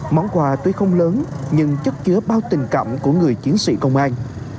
món quà tuy không lớn nhưng chất chứa bao tình cảm của người chiến sĩ công an